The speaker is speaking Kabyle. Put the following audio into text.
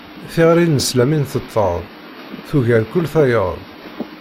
Tiɣri nesla mi nteṭṭeḍ, tugar kul tayeḍ.